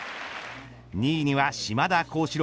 ２位には島田高志郎。